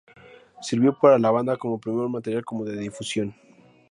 Sirvió para la banda como primer material demo de difusión.